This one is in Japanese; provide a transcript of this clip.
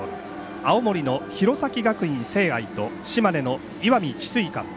青森の弘前学院聖愛と島根の石見智翠館。